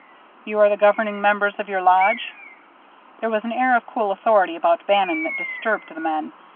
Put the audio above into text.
"You are the governing members of your lodge?" There was an air of cool authority about Bannon that disturbed the men.